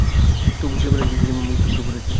তাঁবু ছিড়ে ফেলে কিংবা মুখ থুবড়ে পড়েছিল।